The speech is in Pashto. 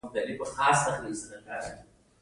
ملاریا د یو ډول پرازیت له امله ده